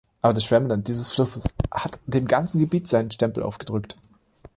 Aber das Schwemmland dieses Flusses hat dem ganzen Gebiet seinen Stempel aufgedrückt.